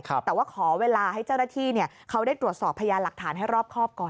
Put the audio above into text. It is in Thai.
แต่ว่าขอเวลาให้เจ้าหน้าที่เขาได้ตรวจสอบพยานหลักฐานให้รอบครอบก่อน